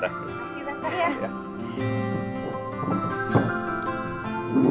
terima kasih tante ya